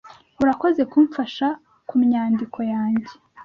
Urakoze kumfasha kumyandiko yanjye.